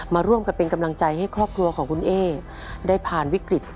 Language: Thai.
มาร่วมกันเป็นกำลังใจให้ครอบครัวของคุณเอ๊ได้ผ่านวิกฤต